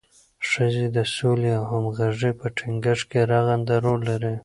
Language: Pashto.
ښځې د سولې او همغږۍ په ټینګښت کې رغنده رول لري.